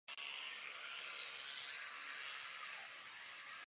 Guinea postoupila do druhé fáze.